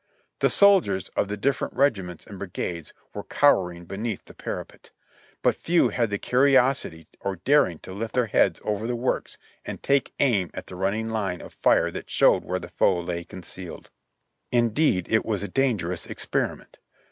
The soldiers of the different regiments and brigades were cower ing beneath the parapet; but few had the curiosity or daring to lift their heads over the works and take aim at the running line of fire that showed where the foe lay concealed. Indeed, it was a dangerous experiment.